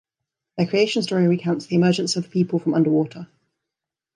Their creation story recounts the emergence of the people from underwater.